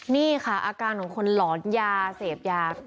นี่ค่ะอาการของคนหลอนยาเสพยา